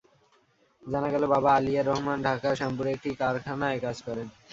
জানা গেল, বাবা অলিয়ার রহমান ঢাকার শ্যামপুরে একটি কারখানায় কাজ করেন।